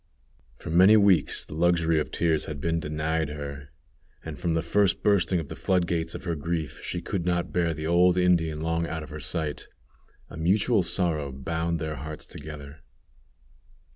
For many weeks the luxury of tears had been denied her, and, from that first bursting of the flood gates of her grief, she could not bear the old Indian long out of her sight. A mutual sorrow bound their hearts together.